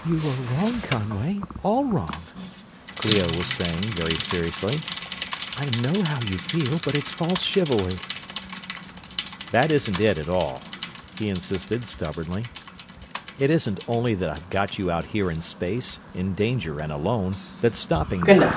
"You are wrong, Conway; all wrong," Clio was saying, very seriously. "I know how you feel, but it's false chivalry." "That isn't it, at all," he insisted, stubbornly. "It isn't only that I've got you out here in space, in danger and alone, that's stopping me.